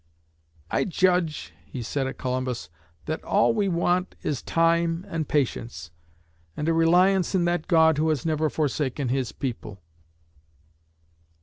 "I judge," he said at Columbus, "that all we want is time and patience, and a reliance in that God who has never forsaken His people."